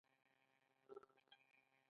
قانع کول تر ټولو لږ خطرناکه او ارزانه طریقه ده